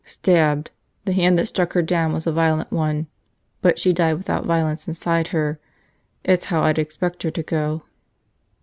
"Stabbed. The hand that struck her down was a violent one. But she died without violence inside her. It's how I'd expect her to go."